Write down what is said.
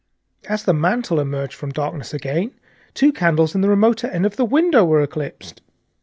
As the mantel emerged from darkness again, two candles in the remoter end of the room were eclipsed.